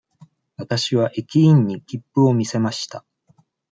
わたしは駅員に切符を見せました。